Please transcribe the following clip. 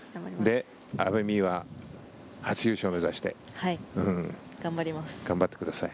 阿部未悠は初優勝を目指して頑張ってください。